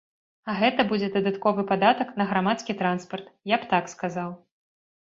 А гэта будзе дадатковы падатак на грамадскі транспарт, я б так сказаў.